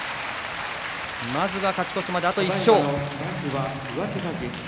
まずは勝ち越しまであと１勝。